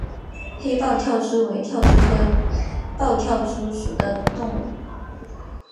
黑豹跳蛛为跳蛛科豹跳蛛属的动物。